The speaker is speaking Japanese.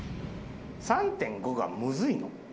３．５がむずいの？